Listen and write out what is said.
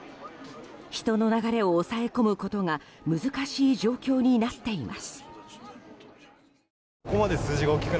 人の流れを抑え込むことが難しい状況になっています。